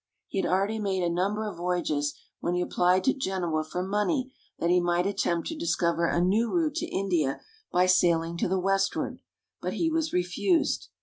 He had already made a number of voyages when he applied to Genoa for money that he might attempt to discover a new route to India by sailing to the westward, but he was refused.